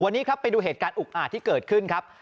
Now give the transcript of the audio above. วันนี้ครับไปดูเหตุการณ์อุกอาจที่เกิดขึ้นครับ